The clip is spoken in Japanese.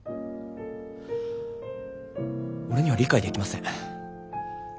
俺には理解できません。